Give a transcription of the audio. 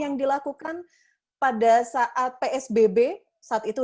yang dilakukan pada saat psbb saat itu